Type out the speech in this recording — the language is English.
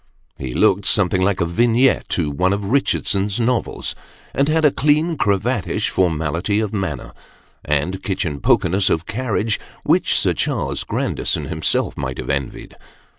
He looked something like a vignette to one of Kichardson's novels, and had a clean cravatish formality of manner, and kitchen pokerness of carriage, which Sir Charles Grandi son himself might have envied.